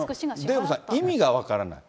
デーブさん、これ意味が分からない。